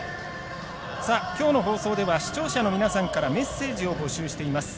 きょうの放送では視聴者の皆さんからメッセージを募集しています。